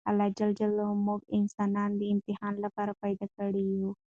الله ج موږ انسانان د امتحان لپاره پیدا کړي یوو!